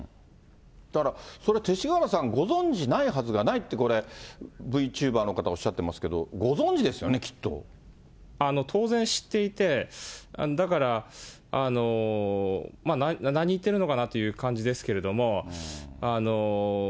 だからそれ、勅使河原さん、ご存じないはずがないって、これ、Ｖチューバーの方、おっしゃってますけど、当然知っていて、だから、何言ってるのかなっていう感じですけれども。